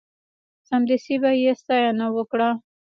سمدستي به یې ستاینه وکړه.